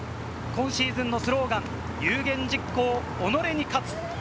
今シーズンのスローガン、有言実行、己に勝つ。